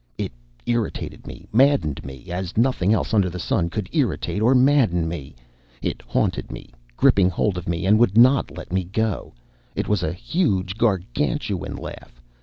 It irritated me, maddened me, as nothing else under the sun could irritate or madden me. It haunted me, gripped hold of me, and would not let me go. It was a huge, Gargantuan laugh.